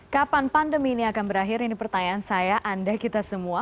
kapan pandemi ini akan berakhir ini pertanyaan saya anda kita semua